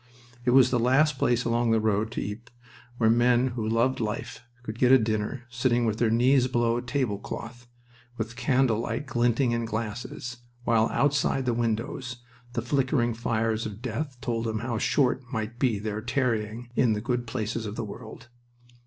It was the last place along the road to Ypres where men who loved life could get a dinner sitting with their knees below a table cloth, with candle light glinting in glasses, while outside the windows the flickering fires of death told them how short might be their tarrying in the good places of the world.